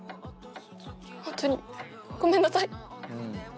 ホントにごめんなさい